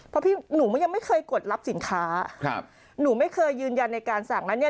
เพราะพี่หนูยังไม่เคยกดรับสินค้าครับหนูไม่เคยยืนยันในการสั่งนั้นเนี่ย